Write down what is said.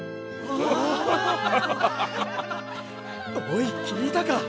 おい聞いたか？